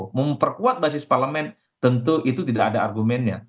untuk memperkuat basis parlemen tentu itu tidak ada argumennya